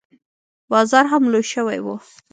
بازار هم لوى سوى و.